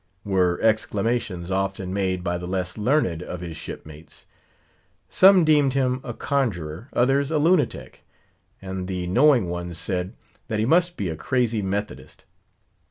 were exclamations often made by the less learned of his shipmates. Some deemed him a conjurer; others a lunatic; and the knowing ones said, that he must be a crazy Methodist.